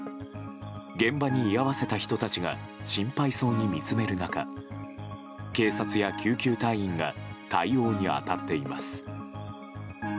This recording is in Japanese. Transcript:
現場に居合わせた人たちが心配そうに見つめる中警察や救急隊員が対応に当たっています。